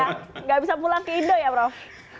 tidak bisa pulang ke indo ya prof